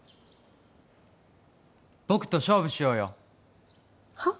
僕と勝負しようよはっ？